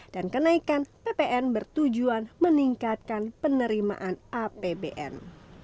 dan kenaikan ppn bertujuan meningkatkan penerimaan apbn